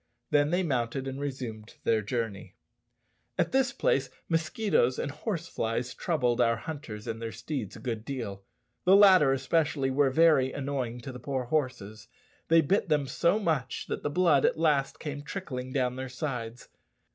Then they mounted and resumed their journey. At this place mosquitoes and horse flies troubled our hunters and their steeds a good deal. The latter especially were very annoying to the poor horses. They bit them so much that the blood at last came trickling down their sides.